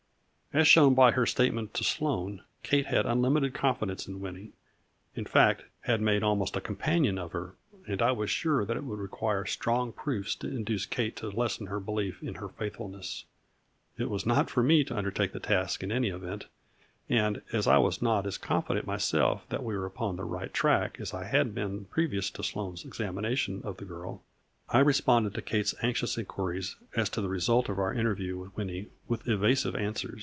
As shown by her statement to Sloane, Kate had unlimited confidence in Winnie, in fact had made almost a companion of her, and I was sure that it would require strong proofs to in duce Kate to lessen her belief in her faithfulness. It was not for me to undertake the task, in any event, and, as I was not as confident myself that we were upon the right track as I had been previous to Sloane's examination of the girl, I responded to Kate's anxious inquiries as to the result of our interview with Winnie with eva sive replies.